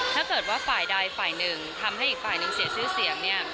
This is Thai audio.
ถ้าเกิดว่าฝ่ายใดฝ่ายหนึ่งทำให้อีกฝ่ายหนึ่งเสียชื่อเสียงเนี่ย